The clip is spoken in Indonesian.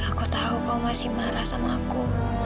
aku tahu kau masih marah sama aku